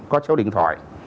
có số điện thoại